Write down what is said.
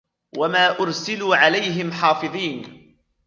وما أرسلوا عليهم حافظين